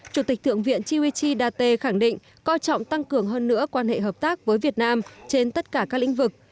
chủ tịch thượng viện chimuichi date khẳng định coi trọng tăng cường hơn nữa quan hệ hợp tác với việt nam trên tất cả các lĩnh vực